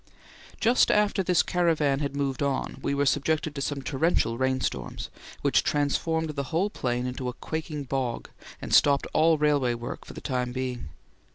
Just after this caravan had moved on we were subjected to some torrential rain storms, which transformed the whole plain into a quaking bog and stopped all railway work for the time being.